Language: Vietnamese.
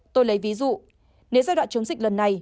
tôi lấy ví dụ nếu giai đoạn chống dịch lần này